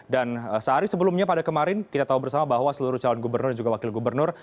sehari sebelumnya pada kemarin kita tahu bersama bahwa seluruh calon gubernur dan juga wakil gubernur